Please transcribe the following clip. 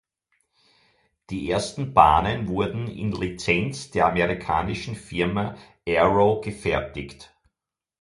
Die ersten Bahnen wurden in Lizenz der amerikanischen Firma Arrow gefertigt.